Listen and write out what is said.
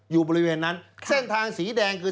อยู่บริเวณนั้นเส้นทางสีแดงคือ